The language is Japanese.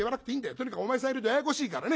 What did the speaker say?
とにかくお前さんいるとややこしいからね。